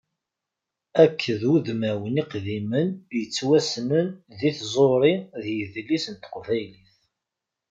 Akked wudmawen iqdimen yettwassnen deg tẓuri d yidles n teqbaylit.